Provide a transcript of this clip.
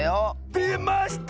でました！